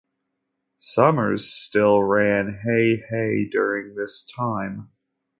Somers still ran "Hey, Hey" during this time.